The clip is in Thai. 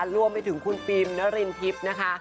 ร่วมไปถึงคุณปีมณินรินทริพย์นะคะ